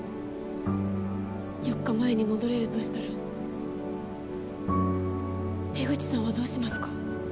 ４日前に戻れるとしたら江口さんはどうしますか？